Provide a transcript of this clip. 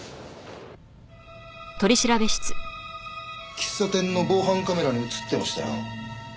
喫茶店の防犯カメラに映ってましたよ。